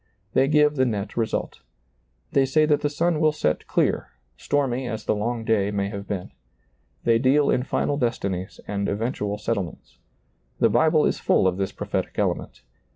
They give the net result. They say that the sun will set clear, stormy as the long day may have been. They deal in final destinies and eventual settlements. The Bible is full of this prophetic element.